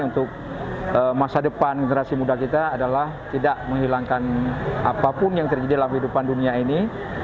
untuk masa depan generasi muda kita adalah tidak menghilangkan apapun yang terjadi dalam kehidupan dunia ini